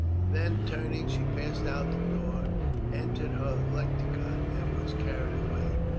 Then turning she passed out of the door, entered her lectica and was carried away.